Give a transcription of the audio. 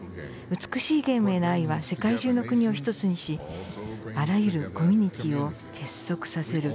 美しいゲームへの愛は世界中の国を１つにしあらゆるコミュニティーを結束させる。